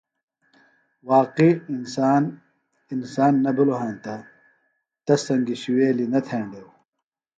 واقعی انسان، انسان نہ بِھلوۡ ہینتہ تس سنگیۡ شُوویلیۡ نہ تھینڈیوۡ